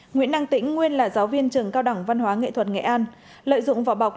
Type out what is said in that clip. nguyễn đăng tĩnh nguyên là giáo viên trường cao đẳng văn hóa nghệ thuật nghệ an lợi dụng vỏ bọc